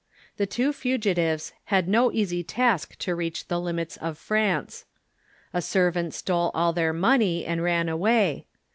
The two fugitives had no easy task to reach the limits of France. A servant stole all their 240 THE EEFOKMATION money and ran away.